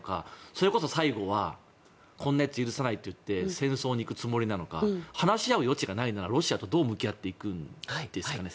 それこそ最後はこんなやつ許さないと言って戦争に行くつもりなのか話し合う余地がないならロシアとどう向き合っていくんですかね。